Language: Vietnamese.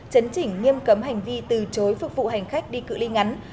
chấn chỉnh nghiêm cấm hành vi từ chối phục vụ hành khách đi cự li ngắn